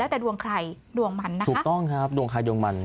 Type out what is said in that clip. แล้วแต่ดวงใครดวงมันนะคะถูกต้องครับดวงใครดวงมัน